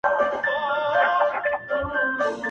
حقيقت او تبليغ سره ګډېږي او پوهاوی کمزوری,